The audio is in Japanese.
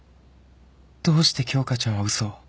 どうして京花ちゃんは嘘を？